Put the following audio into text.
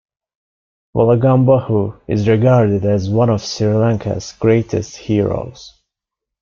Valagambahu is regarded as one of Sri Lanka's greatest heroes.